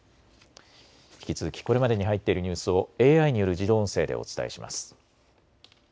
引き続きこれまでに入っているニュースをＡＩによる自動音声でお伝えします。